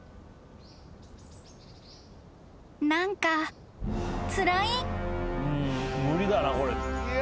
［何かつらい］